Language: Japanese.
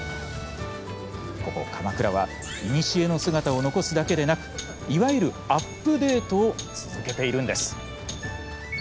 ここ鎌倉はいにしえの姿を残すだけでなくいわゆるアップデートを続けているんです。